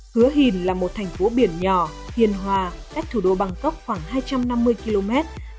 hứa hìn là một thành phố biển nhỏ hiền hòa cách thủ đô bangkok khoảng hai trăm năm mươi km